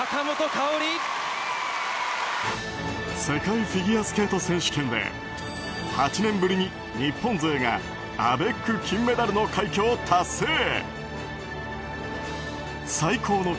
世界フィギュアスケート選手権で８年ぶりに日本勢がアベック金メダルの快挙を達成。